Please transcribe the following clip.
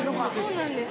そうなんです